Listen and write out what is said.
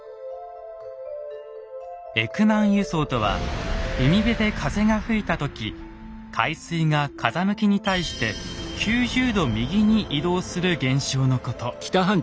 エクマン輸送とは海辺で風が吹いた時海水が風向きに対して９０度右に移動する現象のこと。